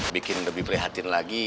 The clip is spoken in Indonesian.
bikin lebih prihatin lagi